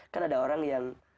kan ada orang yang